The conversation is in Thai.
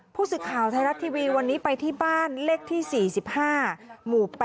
ผู้สื่อข่าวไทยรัฐทีวีวันนี้ไปที่บ้านเลขที่๔๕หมู่๘